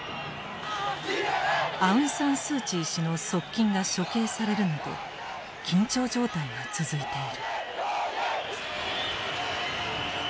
アウンサン・スー・チー氏の側近が処刑されるなど緊張状態が続いている。